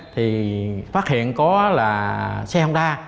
thì phát hiện có là xe honda